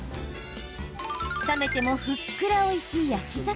冷めてもふっくらおいしい焼き魚。